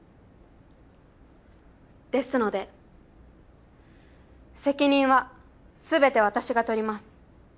ですので責任はすべて私が取ります。